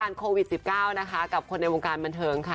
อาการโควิด๑๙กับคนในวงการบันเทิง